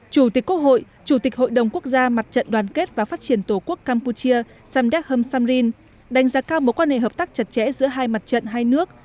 chủ tịch quốc hội chủ tịch hội đồng quốc gia mặt trận đoàn kết và phát triển tổ quốc campuchia samdek hem samrin đánh giá cao mối quan hệ hợp tác chặt chẽ giữa hai mặt trận hai nước